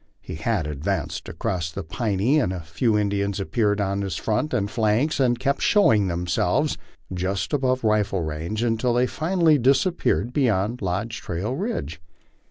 As lie ad vanced across the Piney a few Indians appeared on his fron and flanks, and kept showing themselves just beyond rifle range until they finally disappeared Iwyond Lodge Trail ridge.